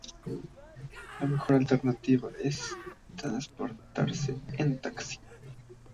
La mejor alternativa es transportarse en taxi.